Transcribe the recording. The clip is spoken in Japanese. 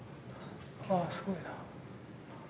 あすごいな。